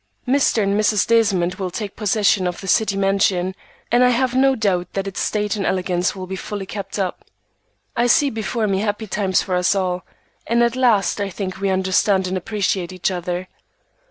Mr. and Mrs. Desmond will take possession of the city mansion, and I have no doubt that its state and elegance will be fully kept up. I see before me happy times for us all, and at last I think we understand and appreciate each other.